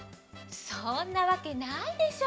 そんなわけないでしょ。